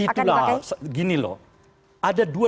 itulah gini loh ada dua